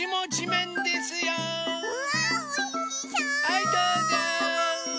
はいどうぞ。